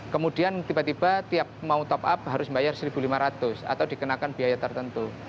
kemudian tiba tiba tiap mau top up harus bayar satu lima ratus atau dikenakan biaya tertentu